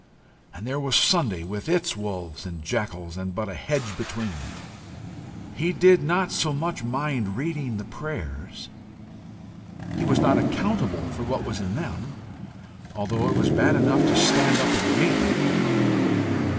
And there was Sunday with its wolves and jackals, and but a hedge between! He did not so much mind reading the prayers: he was not accountable for what was in them, although it was bad enough to stand up and read them.